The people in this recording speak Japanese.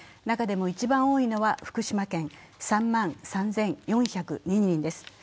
中でも一番多いのは福島県３万３４０２人です。